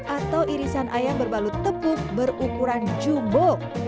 atau irisan ayam berbalut tepuk berukuran jumbo